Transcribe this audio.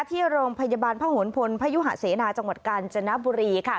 ที่โรงพยาบาลพระหลพลพยุหะเสนาจังหวัดกาญจนบุรีค่ะ